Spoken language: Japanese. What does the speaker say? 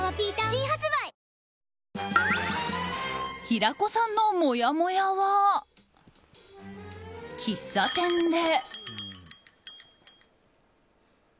新発売平子さんのもやもやは喫茶店で。